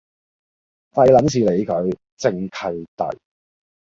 廢撚事理佢，正契弟